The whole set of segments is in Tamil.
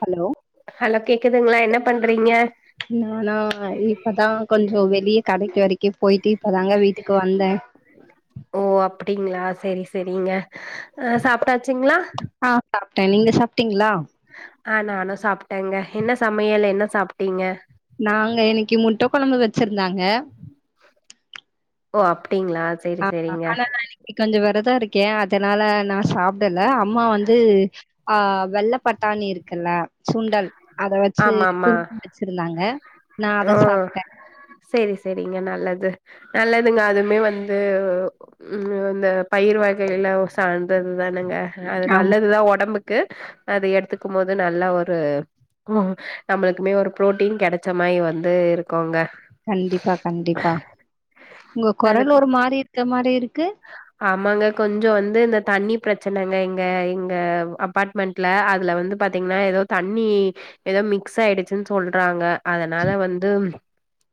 ஹலோ ஹலோ கேக்குதுங்களா என்ன பண்றீங்க நானா இப்பதா கொஞ்சோ வெளியே கடைக்கு வரைக் போயிட்டு இப்பதாங்க வீட்டுக்கு வந்தே ஓ அப்டிங்களா செரி செரிங்க அ சாப்பிட்டாச்சுங்களா ட்ட நீங்க சாப்பிட்டீங்களா ஆ நானு சாப்ட்டேங்க என்ன சமையல் என்ன சாப்ட்டீங்க நாங்க இன்னைக்கு முட்ட கொழம்பு வச்சிருந்தாங்க ஓ அப் ஆ அ ஆனா இனைக்கு நா கொஞ்சோ வெரதோ விரதோ இருக்கே அதனால நா சாப்டல அம்மா வந்து ஆ வெள்ள பட்டாணி இருக்குல்ல சுண்டல் அத வச்சு ஆமா ஆமா குருமா பன்னி வச்சிருந்தாங்க நா அத ஆ சாப்ட்டே செரி செரிங்க நல்லது நல்லதுங்க அதுமே வந்து ம் அந்த பயிர் வகையில ஒரு சான் து தானுங்க அது ஆமா நல்லதுதா உடம்புக் இருக்கு அது எடுத்துக்கு போது நல்லா ஒரு நம்மளுக்குமே ஒரு பு்ரோட்டீன் கெடைச்ச மாரி வந்து இருக்கோங்க கண்டிப்பா கண்டிப்பா உங்க கொரல் அதுக்கு ஒரு மாரி இருக் இத்த மாரி இருக்கு ஆமாங்க கொஞ்சோ வந்து இந்த தண்ணி பிரச்சனைங்க எங்க எங்க அப்பார்ட்மெண்ட்ல அதுல வந்து பாார்த்தீங்கன்னா ஏதோ தண்ணி ஏதோ மிக்ஸ் ஆயிடுச்சுன்னு சொல்றாங்க அதனால வந்து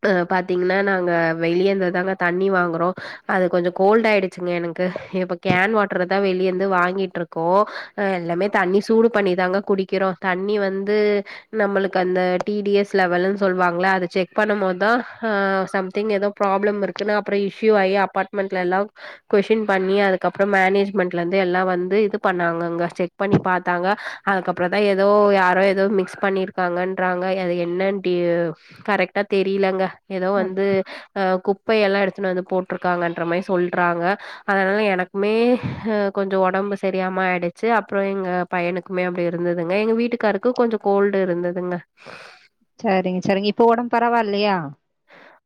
அ பாத்தீங்கன்னா நாங்க வெளியேந்தது தாங்க தண்ணி வாங்குறோ அது கொஞ்சோ கோல்ட் ஆயி ஹெச்ஙே எனக்கு இப்போ கேன் வாட்டர் தா வெளியந்து வாங்கிட்டுருக்கோ அ எல்லாமே தண்ணி சூடு பண்ணி தாங்க குடிக்கிறோ தண்ணி வந்து நம்மளுக் அந்த டிடிஎஸ் லெவல்னு சொல்வாங்க அது செக் பண்ணும்போது தா ஹ சம்திங் எதோ ப்ராப்ளம் இருக்குனு அப்புறோ இஷ்யூ ஆயி அப்பார்ட்மெண்டலல்லா கொஷின் பண்ணி அதுக்கப்புறோ மேனேஜ்மெண்ட்ல இருந்து எல்லா வந்து இது பண்ணாங்கங்க செக் பண்ணி பாார்த்தாங்க அதுக்கப்புறம் தா எதோ யாரோ எதோ மிக்ஸ் பண்ணிருக்காங்கன்றாங்க அது என்னன்னு டி கரெக்ட்டா தெரிலங்க ஏதோ ம், வந்து அ குப்பையல்லா எடுத்துன் வந்து போட்டு இருக்காங்கன்ற மாரி சொல் றாங்க அதனால எனக்குமே அ கொஞ்சோ உடம்பு சரியாம ஆயிடுச்சு அப்புறோ எங்க பையனுக்குமே அப்டி இருந்ததுங்க எங்க வீட்டுக்காருக்கு கொஞ்சோ கோல்டு இருந்ததுங்க சரிங்க சரிங்க இப் இப்போ உடம்பு பரவாயில்லையா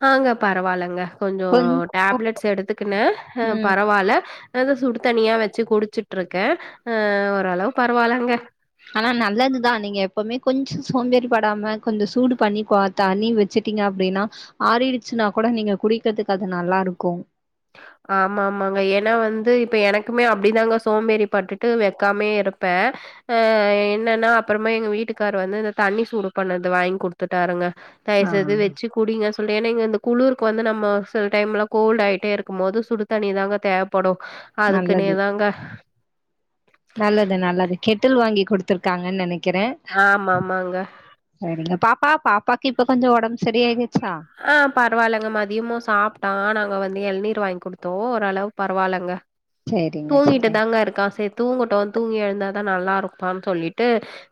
ஆங்க பரவாயில்லைங்க கொஞ்சோ டேப்லெட்ஸ் எடுத்துக்குனே ம் பரவால்ல அதாது சுடு தனியா வச்சு குடிச்சுட்டு இருக்கே அ ஓரளவு பரவால்லங்க ஆனா நல்லதுதா நீங்க எப்பவுமே கொஞ்சோ சோம்பேறிப்படாம கொஞ்ச சூடு பண்ணி தண்ணி வச்சட்டீங்க அப்டின்னா ஆறிடுச்சுன்னா கூட நீங்க குடிக்கிறதுக்கு அது நல்லா இருக்கு ஆமா ஆமாங்க ஏன்னா வந்து இப்ப எனக்குமே அப்டிதாங்க சோம்பேறி பட்டுட்டு வைக்காமே இருப்பே அ என்னன்னா அப்புறமா எங்க வீட்டுக்காரரு வந்து இந்த தண்ணி சூடு பண்ணது வாங்கி குடுத்துட்டாருங்க தயவு ஆ செய்து வச்சி குடிங்க ஏன்னா இங்க இந்த குளிருக்குவந்து நம்ப சில டைம்ல கோல்டு ஆகிட்டே இருக்கு இருக்கும் போது சுடு தண்ணிதாங்க தேவைப்படும் அதுக்குனே நல்லது தாங்க நல்லது நல்லது கெட்டில் வாங்கி குடுத்திருக்காங்கன்னு நினைக்கேன் ஆமா இருக்கிறேன் ஆமாங்க சரிங்க பாப்பா பாப்பாக்கு இப்ப கொஞ்ச ஓடம்பு சரியகி ஆஹ் பரவாயில்லைங்க மதியமும் சாப்பிட்டான் நாங்க வந்து இளநீர் வாங்கி கொடுத்து தோ ஓரளவு பரவாயில்ல சரிங்க தூங்கிட்டு சரிங்க தாங்க இருக்கான் செரி தூங்கட்டும் தூங்கி எழுந்தா தான் நல்லாிருப்பான்னு சொல்லிட்டு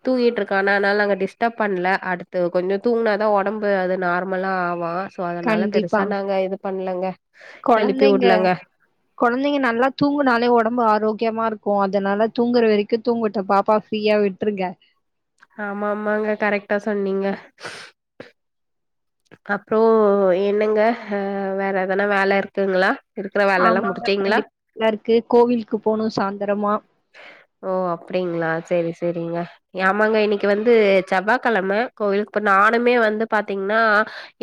தூங்கிட்டுருக்காங்கன அதனால் நாங்கள் டிஸ்டப் பண்ணல அடுத்து கொஞ்சம் தூங்கினா தான் உடம்பு அது நார்மலாக ஆவான் ட சோ அதனால கண்டிப்பா பெருசா நாங்க இது பண்ணலங்க கொழந்தைங்க கொழந்தைங்க நல்லா தூங்குனாலே உடம்ப ரொம்ப ஆரோக்கியமா இருக்கும் அதனால தூங்குற வரைக்கும் தூங்கட்டும் பாப்பா ஃப்ரீயா விட்டுருங்க ஆமா ஆமாங்க கரெக்டா சொன்னீங்க அப்புறம் என்னங்கஹ் வேற எதனா வேலை இருக்குங்களா இருக்கிற வேலல்லா ஆமாங்க முடிச்சீங்களா கண்டிப்பா நல்லா இருக்கு கோவிலுக்கு போகணும் சாயந்திரமா ஓ அப்படிங்களா செரி செரிங்க ஆமாங்க இன்னைக்கு வந்து செவ்வாய் கிழமை கோயிலுக்கு இப்ப நானுமே வந்து பாத்தீங்கன்னா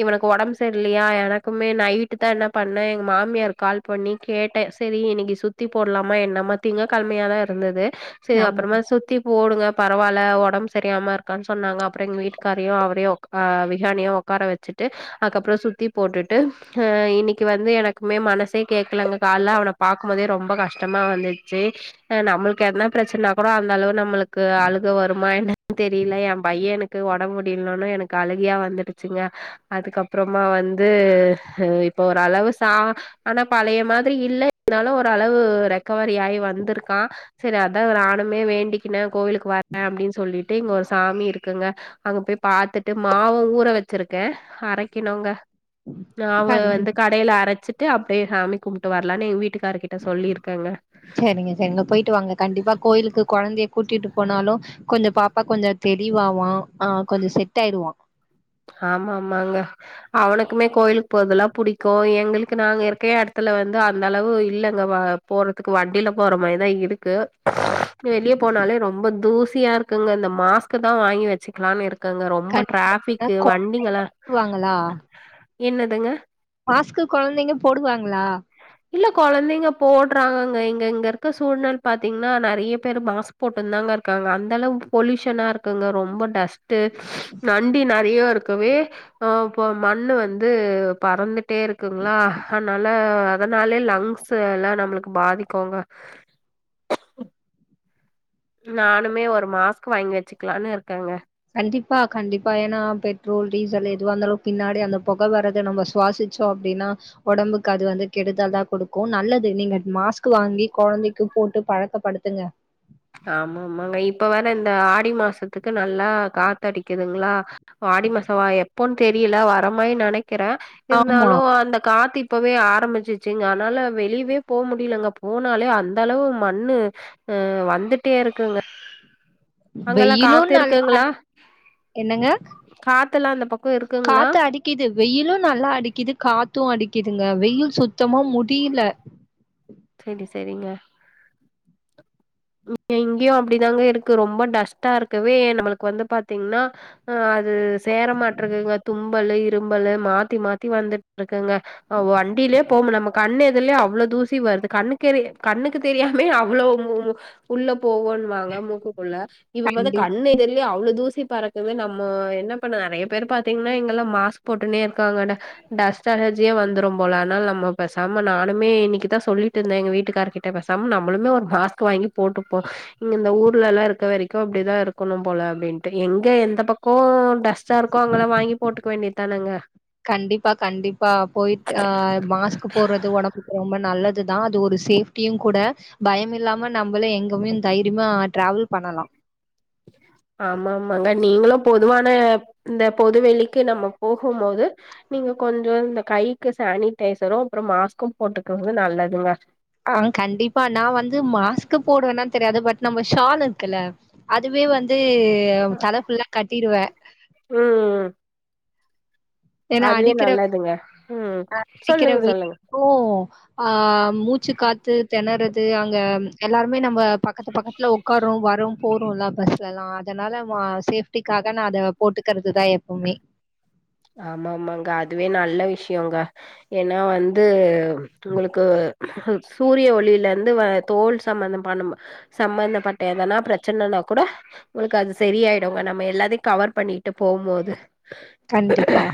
இவனுக்கு உடம்பு சரியில்லையா எனக்குமே நைட்டு தான் என்ன பண்ணேன் எங்க மாமியார் கால் பண்ணி கேட்டேன் செரி இன்னைக்கு சுத்தி போடலாமா என்னம்மா திங்க்கிழ மைய தான் இருந்தது செரி ஆமா அப்புறமா சுத்தி போடுங்க பரவாயில்ல உடம்பு சரியாம இருக்கான்னு சொன்னாங்க அப்புறம் எங்க வீட்டுக்காரையும் அவரையும் ஆஹ் விகான்னியையும் உடக்கார வச்சுட்டு அதுக்கப்புறம் சுத்தி போட்டுட்டு அஹ் இன்னைக்கு வந்து எனக்குமே மனசே கேகலங்க காலல அவனை பார்க்கும் போதே ரொம்ப கஷ்டமா வந்துச்சு நம்மளுக்கு எதன பிரச்சனாகூட அந்த அளவு நம்மளுக்கு அழுக வருமா என்னன்னு தெரியல என் பையன் எனக்கு உடம்ப முடியலன்னு எனக்கு அழுகியா வந்துடுச்சுங்க அதுக்கப்புறமா வந்து இப்போ ஒருஓரளவு சா ஆனா பழைய மாதிரி இல்லை இருந்தாலும் ஓரளவு ரெக்கவரி ஆகி வந்திருக்கு வந்துர்க்க சரி அதான் ஒரு நானுமே வேண்டிக்னேன் கோவிலுக்கு வர்றேன் அப்படின்னு சொல்லிட்டு இங்க ஒரு சாமி இருக்குங்க அங்க போய் பாரத்துட்டு மாவும் ஊற வச்சிருக்கேன் அரைக்கணுங்க மாவ கண்டிப் வந்து கடையில அரைச்சிட்டு அப்டியே சாமி சாமிகும்பிட்டு வரலான்னு எங்க வீட்டுக்கு எங்கவீட்டுக்காரு கிட்ட சொல்லியிருக்காங்க சரிங்க, சரிங்க. போயிட்டு வாங்க கண்டிப்பா கோயிலுக்கு குழந்தைய கூட்டிட்டு போனாலும் கொஞ்சம் பாப்பா கொஞ்சம் தெளிவாவான் ஆஹ் கொஞ்சம் செட் ஆயடுவான் ஆமா ஆமாங்க அவனுக்குமே கோயிலுக்கு போறதெல்லாம் புடிக்கும் ஏனா எங்களுக்கு நாங்க இருக்க இடத்துல வந்து அந்த அளவு இல்லங்க போறதுக்கு வண்டியில போற மாதிரிதான் இருக்கு வெளியே போனாலே ரொம்ப தூசி சியா இருக்குங்க இந்த மாஸ்க்கதா வாங்கி வச்சுக்கலான்னு இரு க்கங்க ரொம்ப கண்டிப்பா டிராஃபிக் து வண்டிங்கல்லா குழம்புவாங்களா? என்னதுங்க? மாஸ்க்கு கொழந்தைங்க போடுவாங்களா? இல்ல கொழந்தைங்க போடுறாங்கங்க இங்க இங்க இருக்க சூழ்நில பாத்தீங்ன்னா நெறைய பேரு மாஸ்க் போட்டுந்தாங்க இருக்காங்க. அந்த அளவு பொல்யூஷனா இருக்குங்க ரொம்ப டஸ்ட்டு நண்டி நெறையா இருக்கவே ஆ இப்ப மண்ணு வந்து பறந்து ட்டே இருக்குங்ளா அதனால அதனாலயே லங்ஸ் எல்லா நம்மளுக்கு பாதிக்குங்க ம் நானுமே ஒரு மாஸ்க்கு வாங்கி வச்சுக்கலான்னு இருக்கேங்க. கண்டிப்பா கண்டிப்பா. ஏன்னா பெட்ரோல், டீசல் எதுவா இருந்தாலு பின்னாடி அந்த பொக வரத நம்ம சுவாசிச்சோ அப்டின்னா ஒடம்புக்கு அது வந்து கெடுதல்தா கொடுக்கு நல்லது நீங்க மாஸ்க் வாங்கி கொழந்தைக்கி போட்டு பழக்கப்படுத்துங்க. ஆமா ஆமாங்க. இப்ப வேற இந்த ஆடி மாசத்துக்கு நல்லா காத்தடிக்குதுங்களா. ஆடி மாசமா எப்போன்னு தெரியல வர மாரி நெனை க்கிறே ஆமா. இருந்தாலு அந்த காத்து இ ப்பவே ஆரம்பிச்சிருச்சுங்க. அதனால வெளியவே போமுடியலங்க. போனாலே அந்த அளவு மண்ணு ஆ வந் துட்டே இருக்குங்க அங்கல்லா வெயிலும் காத்து நல்லா இருக்குங்களா? என்னங்க? காத் தல்லா அந்தப் பக் காத்து அடிக்குது வெயிலு நல்லா அடிக்குது காத்து அடி க்கிதுங்க வெயில் சுத்தமா முடியல செரி செரிங்க. [inaudible] இங்கயு அப்டிதாங்க இருக்கு ரொம்ப டஸ்டா இருக்கவே நம்மளுக்கு வந்து பாத்தீங்னா ஆ அது சேர மாட்றதுங்க தும்பலு இரும்பலு மாத்தி மாத்தி வந்துட்ருக்குங்க ஆ வண்டியிலயே போமுடில நம்ம கண்ணெதிர்லயே அவ்ளோ தூசி வருது கண்ணுக்கெரிய கண்ணுக்கு தெரியாமயே அவ்ளோ மூ மூ உள்ள போகுன்வாங்க மூக்குக்குள்ள. இப்ப பாத்தா கண்டி கண்ணெதிர்லயே அவ்ளோ தூசி பறக்குது நம்மோ என்ன பண்ண நெறைய பேர் பாத்தீங்கன்னா இங்கல்லா மாஸ்க் போட்டுனே க்காங்க ஆனா. டஸ்ட் அலர் ஜியே வந்துரும் போல. அதனால நம்ம பேசாம நானுமே இன்னக்கிதா சொல்லி ட்ருந்தே எங்க வீட்டுக்கார்கிட்ட பேசாம நம்மளுமே ஒரு மாஸ்க் வாங்கி போட்டுப்போ. இங்க இந்த ஊர்ல எல்லா இருக்க வரைக்கு அப்டிதா இருக்கணும் போல அப்டின்ட்டு. எங்க எந்த பக்கோ டஸ்ட்டா இருக்கோ அங்கெல்லா வாங்கி போட்டுக்க வேண்டியதானங்க கண்டிப்பா கண்டிப்பா போயிட் ஆ மாஸ்க்கு போடுறது ஒடம்புக்கு ரொம்ப நல்ல துதா அது ஒரு சேஃப்டியுங் கூட. பயம் இல்லாம நம்பளே எங்கமே தைரியமா டிராவல் பண்ணலா. ஆமா ஆமாங்க. நீங்களு பொதுவான இந்த பொது வெளிக்கு நம்ம போகும் போது நீங்க கொஞ்சோ இந்த கைக்கு சானிடைசரு அப்புறோ மாஸ்க்கு போட்டுக்கங்க நல்லதுங்க. ஆ கண்டிப்பா நா வந்து மாஸ்க்கு போடுவனான் தெரியாது பட் நம்ம ஷால் இருக்கல்ல அதுவே வந்து தல ஃபுல்லா கட்டிருவே ம் ஏன்னா அதுவே அடிக்கிற நல்லதுங்க ம் அடிக்கிற சொல்லுங்க சொல்லுங்க வெயிலுக்கு ஆ மூச்சு காத்து தெணறது அங்க எல்லாருமே நம்ப பக்கத்து பக்கத்துல ஒக்காருவோ வரும் போறோம் எல்லா பஸ்ல எல்லா அதனால சேஃப்டிக்காக நா அத போட்டுக்கறதுதா எப்பவுமே ஆமாமாங்க அதுவே நல்ல விஷயங்க ஏன்னா வந்து உங்களுக்கு சூரிய ஒளியிலருந்து வ தோல் சம்பந்தம் பண்ண சம்மந்தப்பட்ட எதனா பிரச்சனனா கூட உங்களுக்கு அது சரியாயிடுங்க நம்ம. எல்லாத்தையும் கவர் பண்ணிட்டு போம் போது கண்டிப்பா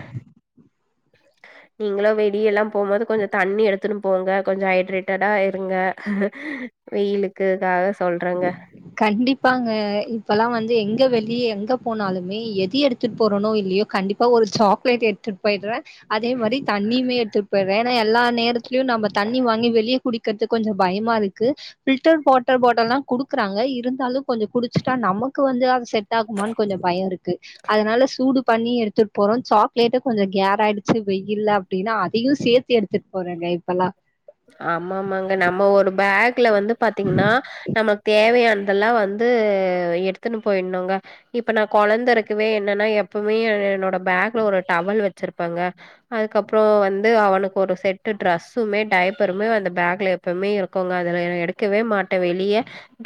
நீங்களு வெளியல்லா போம்போது கொஞ்ச தண்ணி எடுத்துன்னு போங்க கொஞ்ச ஹைட்ரேட்டடா இருங்க வெயிலுக்குக்காக சொல்றேங்க கண்டிப்பாங்க இப்பெல்லா வந்து எங்க வெளிய எங்க போனாலுமே எது எடுத்துட்டு போறோனோ இல்லையோ கண்டிப்பா ஒரு சாக்லேட் எடுத்துட்டு போயிடற அதே மாரி தண்ணியுமே எடுத்துட்டு போய்றே ஏன்னா எல்லா நேரத்திலயு நம்ப தண்ணி வாங்கி வெளிய குடிக்கிறதுக்கு கொஞ்சம் பயமா இருக்கு ஃபில்டர் வாட்டர் பாட்டால்லா குடுக்குறாங்க இருந்தாலு கொஞ்ச குடிச்சிட்டா நமக்கு வந்து அத செட் டாகுமா கொஞ்ச பயம் இருக்கு அதனால சூடு பண்ணி எடுத் எடுத்துட்டு போறோ சாக்லேட்டு கொஞ்ச கேர் ஆயிடுச்சு வெயில்ல அப்டின்னா அதையு சேர்த்து எடுத்துட்டு போறேங்க இப்பெல்லா ஆமாமாங்க நம்ம ஒரு பேக் குல வந்து பாத்தீங்கன்னா நமக் தேவையான அதெல்லா வந்து எடுத்துன்னு போய்ன்னங்க இப்ப நா கொழந்த இருக்கவே என்னன்னா எப்பமே எ என்னோட பேக்ல ஒரு டவல் வச் ச்சிருப்பாங்க அதுக்கப்புற வந்து அவனுக்கு ஒரு செட்டு ட்ரெஸ்சுமே டாய்ப் ஏப்பெருமே அந்த பேக்ல எப்பமே இருக்கோங்க அதுல எடுக்கவே மாட் வெளிய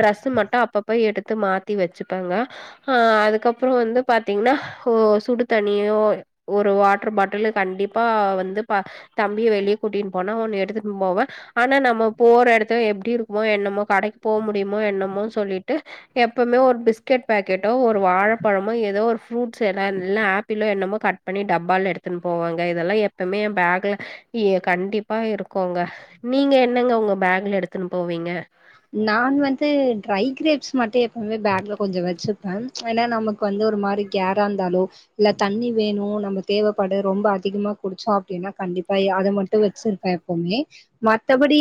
ட்ரஸ்சு மட் அப்பப்ப எடுத்து மாத்தி வச்சுப்பேங்க ஆ அதுக்கப்புற வந்து பாத்தீங்கன்னா ஓ சுடு தண்ணியோ ஒரு வாட்டர் பாட்டில் கண்டிப்பா வந்து பா தம்பிய வெளியே கூட்டிட்டு போனா ஒன்னு எடுத்துட் போவே ஆனா நம்ம போற எடத்துல எப்டி இருக்குமோ என்னமோ கடைக்கு போ முடியுமோ என்னமோனு சொல்லிட்டு எப்பமே ஒரு பிஸ்கெட் பேக்கெட்டோ ஒரு வாழப்பழமோ ஏதோ ஒரு ஃப்ரூட்ஸ் என எல்லா ஆப்பிளோ என்னமோ கட் பண்ணி டப்பாலா எடுத்துன்னு போவேங்க இதெல்லா எப்பமே பேகுல கண்டிப்பாக இருக் க்கங்க நீங்க என்னங்க உங்க பேக்ல எடுத்துனு போவீங்க நான் வந்து ட் ரை கிரேப்ஸ் மட்டு எப்பமே பேக்ல கொஞ்ச வச்சுப்பே ஏனா நமக்கு வந்து ஒரு மாரி கேரா இருந்தாலோ இல்ல தண்ணி வேணு நம்ம தேவைப்படு ரொம்ப அதிகமா குடிச்சோ அப்டின்னா கண்டிப்பா அத மட்டு வச்சிருப்பே எப்பமே மத்தபடி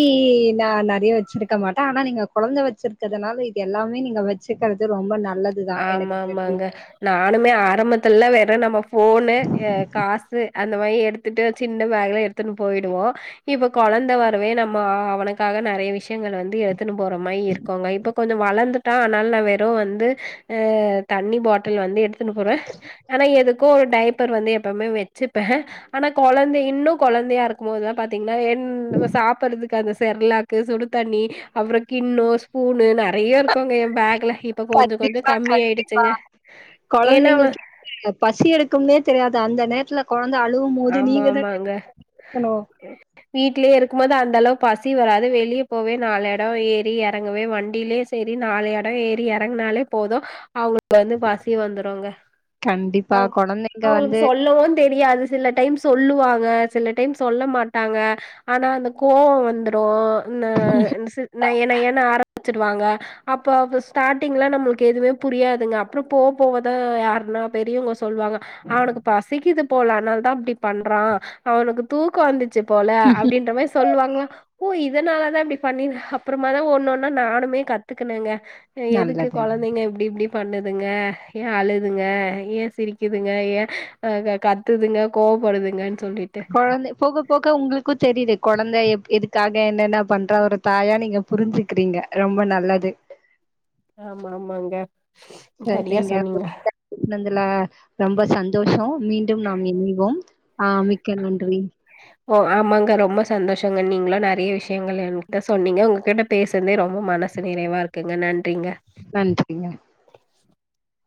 நா நெறையா வச்சிருக்க மாட் ஆனா நீங்க கொழந்த வச்சிருக்கிறதுனால இது எல்லாமே நீங்க வச்சுக்கறது ரொம்ப நல் ஆமா ஆமாங்க நானுமே ஆரம்பத்துல்ல வே ட்ட நம்ம ஃபோனு எ காசு அந்த மாரி எடுத்துட்டு சின்ன பேக்ல எடுத்துன்னு போயிடுவோ இப்ப கொழந்த வரவே நம்ம அவனுக்காக நறைய விஷயங்கள் வந்து எடுத்துன்னு போற மாரி இருக்குங்க இப்ப கொஞ்ச வளந்துட்டா ஆனால நா வெறு வந்து ஹே தண்ணி பாட்டில் வந்து எடுத் துனு போறே ஆனா எதுக்கோ ஒரு டயட் த்தர் வந்து எப்பமே வச்சுப்பே ஆனா கொழந்தை இன்னு கொழந்தையா இருக்கும்போதுல்லா பாத்தீங்னா என்‌ நம்ம சாப்புர்றதுக்கு அந்த செர்லாக்கு சுடுதண்ணி அப்றொ கிண்ணொ ஸ்பூனு‌ ந றைய இருக்குங்க எ பேக்ல இப்ப கொஞ்சொ கொஞ்சொ கண்டிப்பா கண்டிப்பா கொழந்தைங்களுக்கு [inaudible] பசி எடுக்கும்னே தெரியாது அந்த நேத்துல ஆமா ஆமாங்க இருக்கணு வீட்லயே இருக்கும்மோது அந் தளவு பசி வராது வெளிய போவே நாலு எடொ ஏறி எறங்குவே வண்டிலே சேரி நாலு எடொ ஏறி எறங்குனாலே போது அவ வந்து பசி வந்துருங்க அ கண்டிப்பா கொழந்தைங்க அவளுக்கு வந்து சொல்லவு தெரியாது டைம் சொல்லுவாங்க சில டைம் சொல்ல மாட்டாங்க ஆனா அந்த கோவ வந்துடு என்ன [unintelligible] என்ன என்ன ஆர வச்சுடுவாங்க அப்ப அது ஸ்டார்டிங்ல நம்மளுக்கு எதுவுமே புரியாதுங்க அப்றொ போ போவதா யாருன்னா பெரியவுங்க சொல்லுவாங்க அவனுக்கு பசிக்குது போல அனால் தா அப்டி பண்றா அவனுக்கு தூக்கொ வந்து ர்ச்சு போல அப்டின்ற மாரி சொல்வாங்க ஓ இ துனால தா இப்டி பண்ணி அப்றமா தா ஒன்னொன்னா நானுமே கத்துக்குனேங்க எதுக்கு நல்லது கொழந்தைங்க இப்டி இப்டி பண்ணுதுங்க ஏ அழுதுங்க ஏ சிரிக்குதுங்க ஏ கத்துதுங்க கோவப்படுதுங்கன் கொழந்த போக போக உங்ளுக்கு தெரிது கொழந்த எப் எதுக்காக என்னென்ன பண்றா ஒரு தாயா நீங்க புருஞ்சுக்கிறீங்க ரொம்ப நல்லது ஆமா ஆமாங்க சரியா சரிங்க [inaudible] சொன்னீங்க பேசுனது ஐ ரொம்ப சந்தோஷொ மீண்டும் நாம் இணைவோம் ஆ மிக்க நன்றி ஓ ஆமாங்க ரொம்ப சந்தோஷங்க நீங்ளு நறைய விஷயங்கள் எங்கிட்ட சொன்னிங்க உங்ககிட்ட பேசுனதே ரொம்ப மனசு நிறைவா இருக்குங்க நன்றிங்க நன்றிங்க [unintelligible]